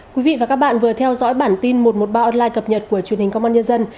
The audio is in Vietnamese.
quý vị và các bạn vừa theo dõi bản tin một trăm một mươi ba online cập nhật của truyền hình công an nhân dân